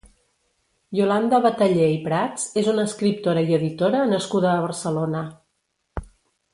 Iolanda Batallé i Prats és una escriptora i editora nascuda a Barcelona.